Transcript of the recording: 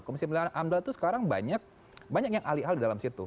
komisi pemilihan amdal itu sekarang banyak yang alih alih dalam situ